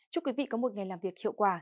chúc quý vị có một ngày làm việc hiệu quả